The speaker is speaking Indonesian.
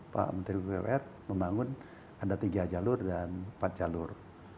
pak menteri bumn membangun ada tiga jalur dan empat jalur